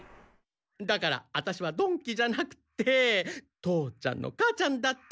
だからアタシは曇鬼じゃなくて父ちゃんの母ちゃんだって。